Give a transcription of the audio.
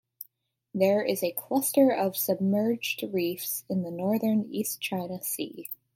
There is a cluster of submerged reefs in the northern East China Sea.